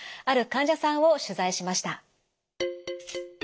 ある患者さんを取材しました。